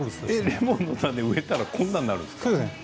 レモンを植えたらこんなになるんですね。